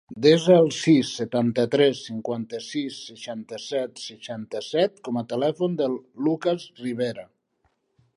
Desa el sis, setanta-tres, cinquanta-sis, seixanta-set, seixanta-set com a telèfon del Lukas Ribera.